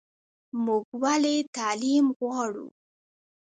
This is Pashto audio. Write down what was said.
موږ ولې تعلیم غواړو؟